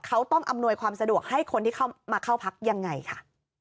เขาต้องอำนวยความสะดวกให้คนที่เข้ามาเข้าพักยังไงค่ะ